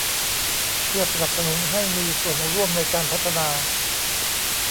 เพื่อสนับสนุนให้มีส่วนร่วมในการพัฒนา